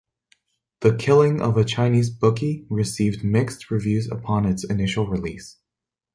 "The Killing of a Chinese Bookie" received mixed reviews upon its initial release.